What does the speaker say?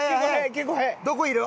どこいる？